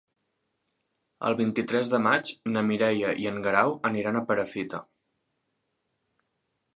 El vint-i-tres de maig na Mireia i en Guerau aniran a Perafita.